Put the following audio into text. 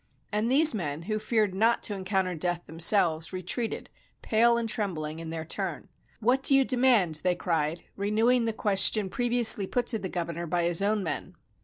And these men, who feared not to encounter death themselves retreated, pale and trembling, in their turn. "What do you demand?" they cried, renewing the question they had previously put to the governor by his own men.